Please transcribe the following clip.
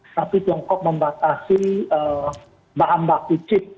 tapi tiongkok membatasi bahan baki